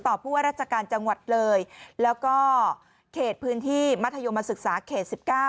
ผู้ว่าราชการจังหวัดเลยแล้วก็เขตพื้นที่มัธยมศึกษาเขต๑๙